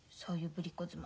ぶりっ子妻。